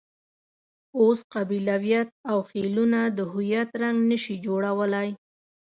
اوس قبیلویت او خېلونه د هویت رنګ نه شي جوړولای.